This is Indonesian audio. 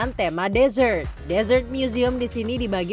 bisa masuk gak sih disini